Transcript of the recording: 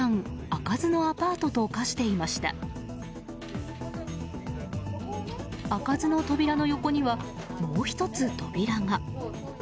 開かずの扉の横にはもう１つ扉が。